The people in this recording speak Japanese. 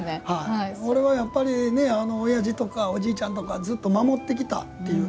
俺は、やっぱり、おやじとかおじいちゃんとかずっと守ってきたという。